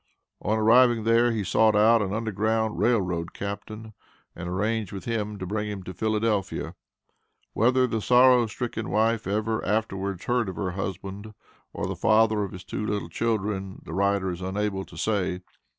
On arriving there, he sought out an Underground Rail Road captain, and arranged with him to bring him to Philadelphia. Whether the sorrow stricken wife ever afterwards heard of her husband, or the father of his two little children, the writer is unable to say.